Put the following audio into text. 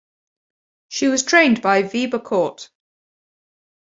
She was trained by Wiebe Kort.